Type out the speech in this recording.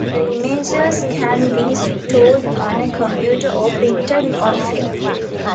The images can be stored on a computer or printed on film.